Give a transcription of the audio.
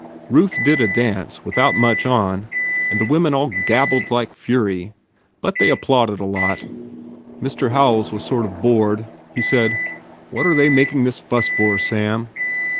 Ruth did a dance without much on and the women all gab bled like fury. But they all applauded a lot. Mr. Howells was sort of bored. He said, What are they making that fuss for, Sam?